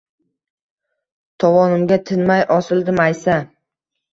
Tovonimga tinmay osildi maysa